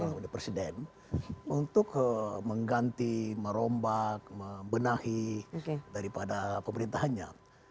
oleh presiden untuk mengganti merombak membenahi daripada pemerintahannya